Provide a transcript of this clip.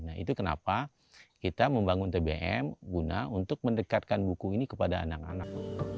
nah itu kenapa kita membangun tbm guna untuk mendekatkan buku ini kepada anak anak